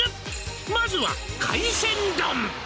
「まずは海鮮丼」